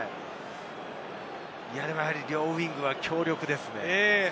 でも、両ウイングは強力ですね。